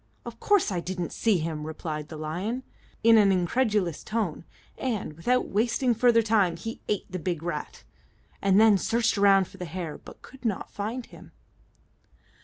"Of course I didn't see him," replied the lion, in an incredulous tone, and, without wasting further time, he ate the big rat, and then searched around for the hare, but could not find him.